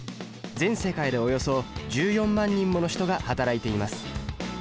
全世界でおよそ１４万人もの人が働いています。